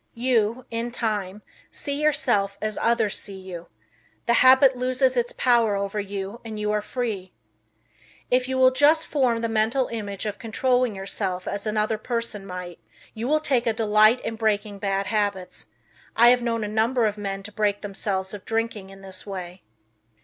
You, in time, see yourself as others see you. The habit loses its power over you and you are free. If you will just form the mental image of controlling yourself as another person might, you will take a delight in breaking bad habits. I have known a number of men to break themselves of drinking in this way.